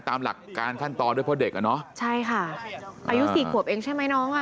ตามหลักการขั้นตอนด้วยเพราะเด็กอ่ะเนอะใช่ค่ะอายุสี่ขวบเองใช่ไหมน้องอ่ะ